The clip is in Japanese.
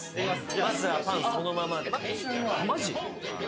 まずはパンそのままでマジ？